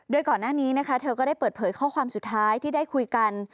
โดยก่อนหน้านี้นะคะเธอก็ได้เปิดเผยข้อความสุดท้ายที่ได้คุยกัน